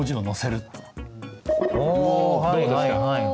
どうですか？